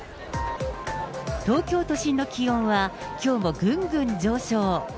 東京都心の気温はきょうもぐんぐん上昇。